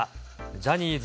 ジャニーズ